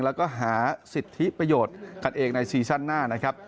แล้วก็หาสิทธิประโยชน์กันเองในซีซั่นหน้านะครับ